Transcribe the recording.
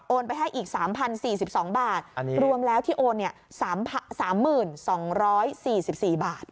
ไปให้อีก๓๐๔๒บาทรวมแล้วที่โอน๓๒๔๔บาท